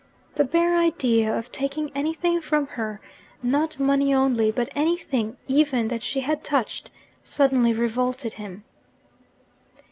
The bare idea of taking anything from her not money only, but anything even that she had touched suddenly revolted him.